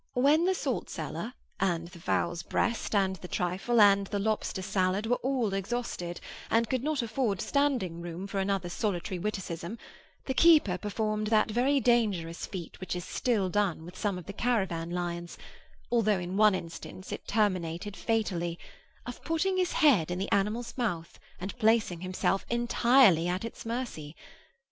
When the salt cellar, and the fowl's breast, and the trifle, and the lobster salad were all exhausted, and could not afford standing room for another solitary witticism, the keeper performed that very dangerous feat which is still done with some of the caravan lions, although in one instance it terminated fatally, of putting his head in the animal's mouth, and placing himself entirely at its mercy.